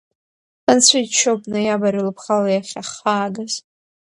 Анцәа иџьшьоуп ноиабр лыԥхала иахьаҳхаагаз.